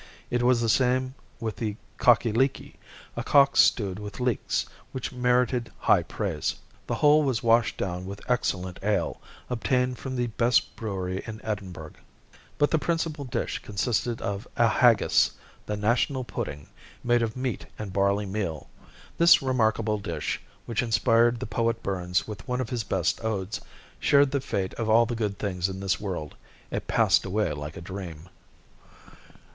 It was the same with the "cockyleeky," a cock stewed with leeks, which merited high praise. The whole was washed down with excellent ale, obtained from the best brewery in Edinburgh. But the principal dish consisted of a "haggis," the national pudding, made of meat and barley meal. This remarkable dish, which inspired the poet Burns with one of his best odes, shared the fate of all the good things in this world—it passed away like a dream.